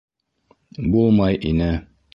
Булмай ине.